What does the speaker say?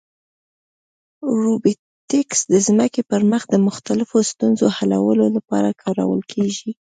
روبوټیکس د ځمکې پر مخ د مختلفو ستونزو حلولو لپاره کارول کېږي.